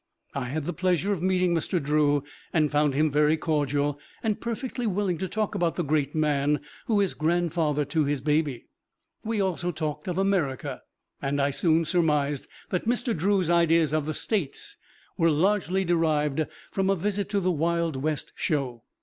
I had the pleasure of meeting Mr. Drew and found him very cordial and perfectly willing to talk about the great man who is grandfather to his baby. We also talked of America, and I soon surmised that Mr. Drew's ideas of "The States" were largely derived from a visit to the Wild West Show.